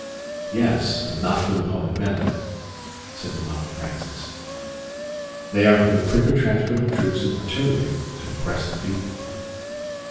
"Yes but not for the public benefit," said the mild Francis; "they are for the quicker transport of troops and artillery to oppress the people."